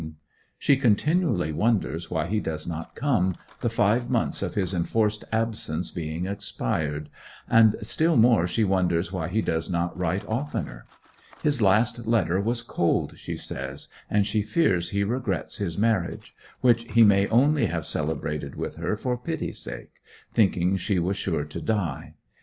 She continually wonders why he does not come, the five months of his enforced absence having expired; and still more she wonders why he does not write oftener. His last letter was cold, she says, and she fears he regrets his marriage, which he may only have celebrated with her for pity's sake, thinking she was sure to die.